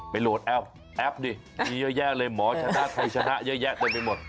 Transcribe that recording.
โหลดแอปแอปดิมีเยอะแยะเลยหมอชนะไทยชนะเยอะแยะเต็มไปหมด